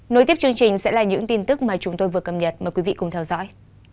nối tiếp chương trình sẽ là những tin tức mà chúng tôi vừa cập nhật mời quý vị cùng theo dõi